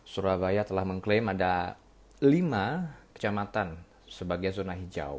surabaya telah mengklaim ada lima kecamatan sebagai zona hijau